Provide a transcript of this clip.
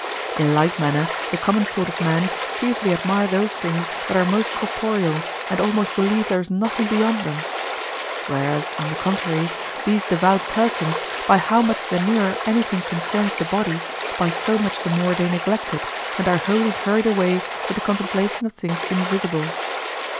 In like manner the common sort of men chiefly admire those things that are most corporeal and almost believe there is nothing beyond them. Whereas on the contrary, these devout persons, by how much the nearer anything concerns the body, by so much more they neglect it and are wholly hurried away with the contemplation of things invisible.